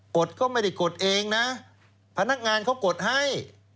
ดก็ไม่ได้กดเองนะพนักงานเขากดให้